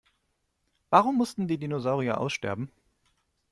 Warum mussten die Dinosaurier aussterben?